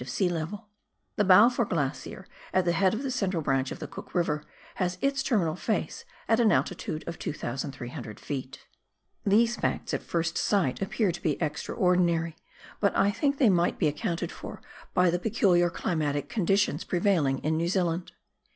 of sea level ; the Balfour Glacier, at the head of the central branch of Cook River, has its terminal face at an altitude of 2,300 ft. These facts at first sight appear to be extraordinary, but I think they may be accounted for by the peculiar climatic con ditions prevailing in New Zealand.